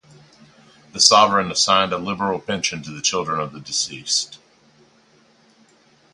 The sovereign assigned a liberal pension to the children of the deceased.